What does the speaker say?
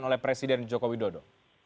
oleh presiden jokowi dodo